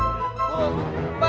tapi temen saya dong